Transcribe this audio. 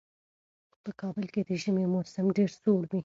په کابل کې د ژمي موسم ډېر سوړ وي.